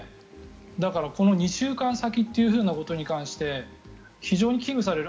だから、この２週間先ということに関して非常に危惧される。